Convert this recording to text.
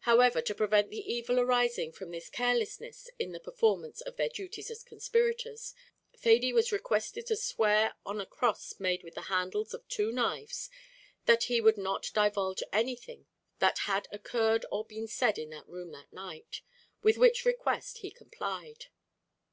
However, to prevent the evil arising from this carelessness in the performance of their duties as conspirators, Thady was requested to swear on a cross made with the handles of two knives, that he would not divulge anything that had occurred or been said in that room that night with which request he complied.